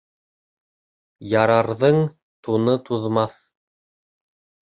«Ярар»ҙын туны туҙмаҫ.